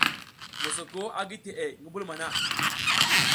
Mosoko a gi teʼe ngi mbulum hana.